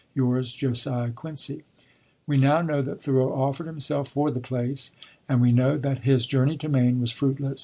Yours, "JOSIAH QUINCY." We now know that Thoreau offered himself for the place; and we know that his journey to Maine was fruitless.